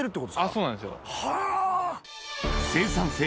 そうなんですよ。